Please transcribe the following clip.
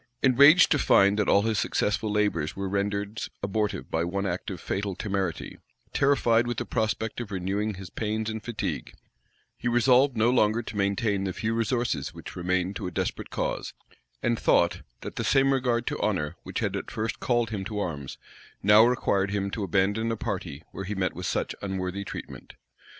Enraged to find that all his successful labors were rendered abortive by one act of fatal temerity, terrified with the prospect of renewing his pains and fatigue, he resolved no longer to maintain the few resources which remained to a desperate cause, and thought, that the same regard to honor which had at first called him to arms, now required him to abandon a party where he met with such unworthy treatment.